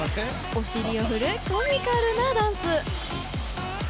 お尻を振るコミカルなダンス！